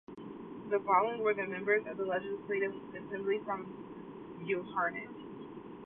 The following were the members of the Legislative Assembly from Beauharnois.